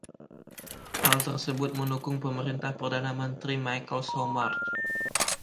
Hal tersebut mendukung pemerintah Perdana Menteri Michael Somare.